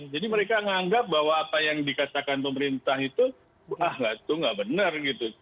jadi mereka menganggap bahwa apa yang dikatakan pemerintah itu ah itu nggak benar gitu